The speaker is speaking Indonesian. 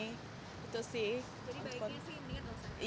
jadi baiknya sih mendingan warung buncit